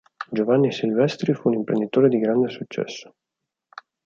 Giovanni Silvestri fu un imprenditore di grande successo.